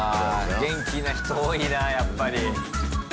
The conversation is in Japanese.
元気な人多いなやっぱり。